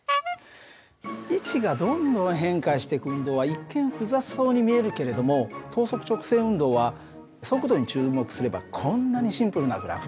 位置がどんどん変化していく運動は一見複雑そうに見えるけれども等速直線運動は速度に注目すればこんなにシンプルなグラフになるんだよ。